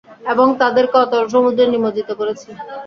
এবং তাদেরকে অতল সমুদ্রে নিমজ্জিত করেছি।